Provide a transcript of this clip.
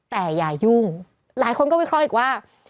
แต่อย่ายุ่งหลายคนก็วิเคราะห์อีกว่า